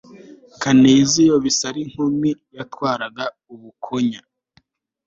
kaniziyo bisarinkumi yatwaraga ubukonya